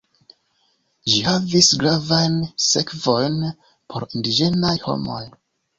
Ĝi havis gravajn sekvojn por indiĝenaj homoj.